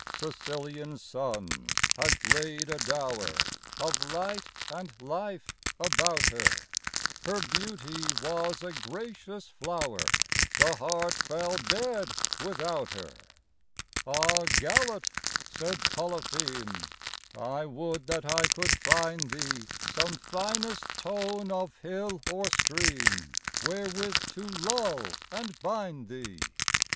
Sicilian suns had laid a dower of light and life about her: Her beauty was a gracious flower the heart fell dead without her. "Ah, Galate," said Polypheme, "I would that I could find thee Some finest tone of hill or stream, wherewith to lull and bind thee!